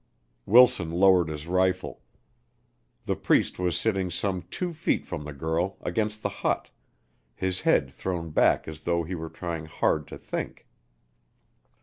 Wilson lowered his rifle. The Priest was sitting some two feet from the girl, against the hut, his head thrown back as though he were trying hard to think.